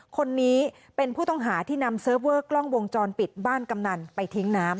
คนนี้เป็นผู้ต้องหาที่นำเซิร์ฟเวอร์กล้องวงจรปิดบ้านกำนันไปทิ้งน้ำ